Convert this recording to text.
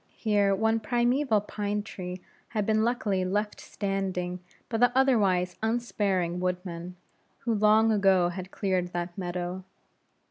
Here one primeval pine tree had been luckily left standing by the otherwise unsparing woodmen, who long ago had cleared that meadow.